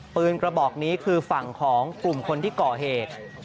กระบอกนี้คือฝั่งของกลุ่มคนที่ก่อเหตุ